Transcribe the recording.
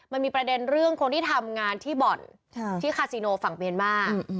มันมีประเด็นเรื่องคนที่ทำงานที่บ่อนที่คาซิโนฝั่งเมียนมาร์